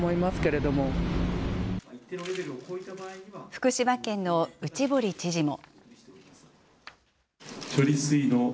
福島県の内堀知事も。